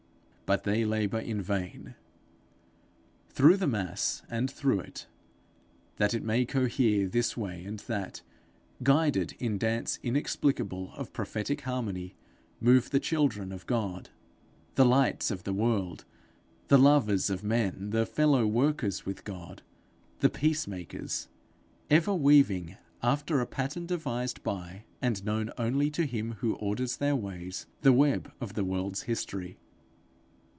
But they labour in vain. Through the mass and through it, that it may cohere, this way and that, guided in dance inexplicable of prophetic harmony, move the children of God, the lights of the world, the lovers of men, the fellow workers with God, the peace makers ever weaving, after a pattern devised by, and known only to him who orders their ways, the web of the world's history.